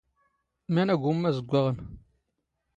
ⵎⴰⵏ ⴰⴳⵓⵎⵎⴰ ⵣⴳⴳⵯⴰⵖⵏ?